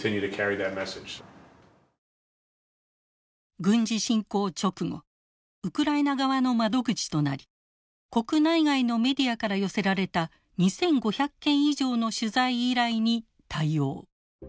軍事侵攻直後ウクライナ側の窓口となり国内外のメディアから寄せられた２，５００件以上の取材依頼に対応。